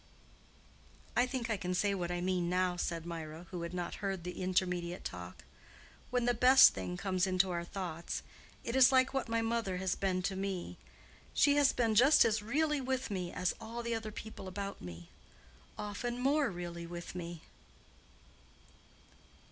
"I think I can say what I mean, now," said Mirah, who had not heard the intermediate talk. "When the best thing comes into our thoughts, it is like what my mother has been to me. She has been just as really with me as all the other people about me—often more really with me."